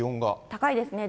高いですね。